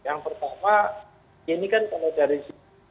saya kira aye sebagai sosok politiknya sudah beradaptasi ya